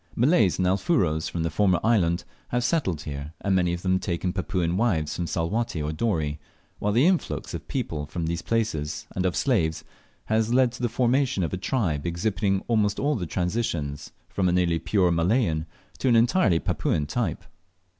Malays and Alfuros from the former island have probably settled here, and many of them have taken Papuan wives from Salwatty or Dorey, while the influx of people from those places, and of slaves, has led to the formation of a tribe exhibiting almost all the transitions from a nearly pure Malayan to an entirely Papuan type.